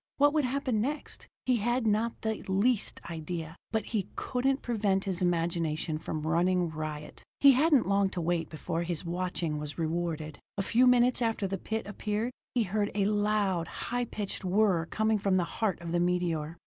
What would happen next, he had not the least idea, but he couldn't prevent his imagination from running riot. He hadn't long to wait before his watching was rewarded. A few minutes after the pit appeared, he heard a loud, high pitched whir coming from the heart of the meteor.